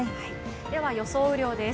では予想雨量です。